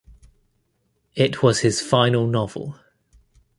It was his final novel.